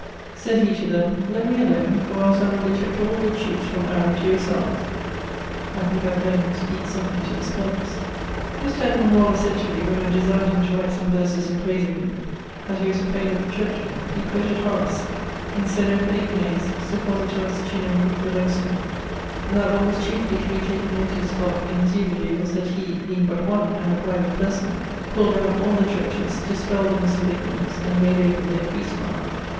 Sayd he to them 'Let me alone, or els I will detect all your cheates from Aaron to yourselves.' I thinke I have heard him speake something to this purpose. Mr. Edmund Waller sayd to me, when I desired him to write some verses in praise of him, that he was afrayd of the churchmen: he quoted Horace Incedo per ignes Suppositos cineri doloso: that, what was chiefly to be taken notice of in his elogie was that he, being but one, and a private person, pulled downe all the churches, dispelled the mists of ignorance, and layd open their priest craft.